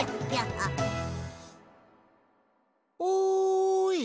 おい！